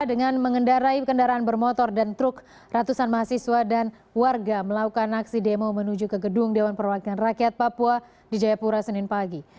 dengan mengendarai kendaraan bermotor dan truk ratusan mahasiswa dan warga melakukan aksi demo menuju ke gedung dewan perwakilan rakyat papua di jayapura senin pagi